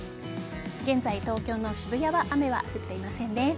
現在、東京の渋谷は雨は降っていませんね。